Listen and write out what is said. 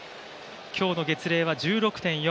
今日の月齢は１６．４。